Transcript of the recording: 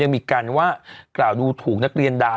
มีการว่ากล่าวดูถูกนักเรียนด่า